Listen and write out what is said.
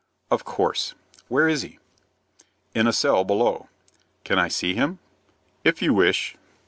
"Of course. Where is he?" "In a cell below." "Can I see him?" "If you wish."